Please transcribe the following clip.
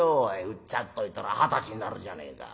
うっちゃっといたら二十歳になるじゃねえか。